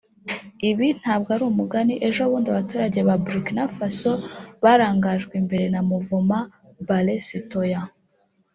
Ibi ntabwo ari umugani ejobundi abaturage ba Bourkinafaso barangajwe imbere na movement Balain Citoyain